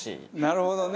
なるほどね！